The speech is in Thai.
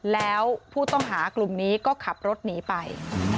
แล้วผู้ต้องหากลุ่มนี้ก็ขับรถหนีไป